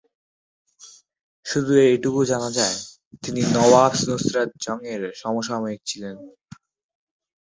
শুধু এটুকু জানা যায় যে, তিনি নওয়াব নুসরত জং-এর সমসাময়িক ছিলেন।